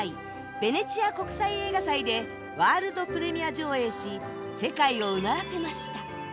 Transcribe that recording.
ベネチア国際映画祭でワールドプレミア上映し世界をうならせました